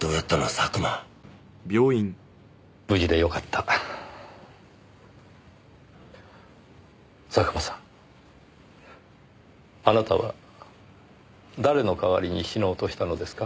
佐久間さんあなたは誰の代わりに死のうとしたのですか？